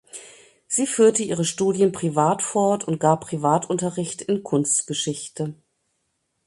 Sie führte ihre Studien privat fort und gab Privatunterricht in Kunstgeschichte.